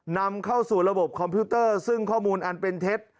นำเข้าสู่ระบบคอมพิวเตอร์ซึ่งข้อมูลอันเป็นเท็จ